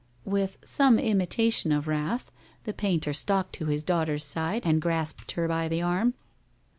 With some imitation of wrath, the painter stalked to his daughter's side and grasped her by the arm.